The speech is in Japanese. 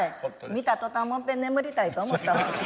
見た途端もっぺん眠りたいと思ったわ。